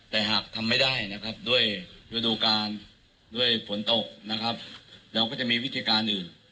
แต่หากทำไม่ได้ด้วยฤดูกาลด้วยผลตกเราก็จะมีวิธีการอื่น